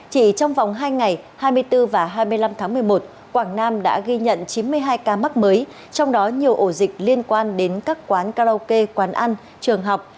chỉ trong vòng hai ngày hai mươi bốn và hai mươi năm tháng một mươi một quảng nam đã ghi nhận chín mươi hai ca mắc mới trong đó nhiều ổ dịch liên quan đến các quán karaoke quán ăn trường học